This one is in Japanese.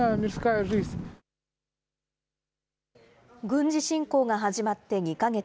軍事侵攻が始まって２か月。